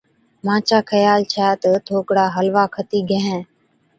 مانڇا خيال ڇَي تہ ٿوڪڙا حلوا کتِي گيهين۔